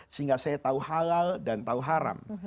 sehingga saya tahu halal dan tahu haram